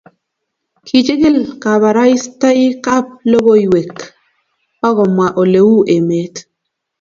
kichikil kabarastaik ab lokoiwek ok mwa ole u emet